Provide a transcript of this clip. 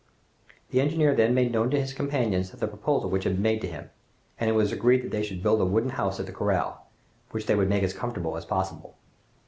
The engineer then made known to his companions the proposal which had been made to him, and it was agreed that they should build a wooden house at the corral, which they would make as comfortable as possible.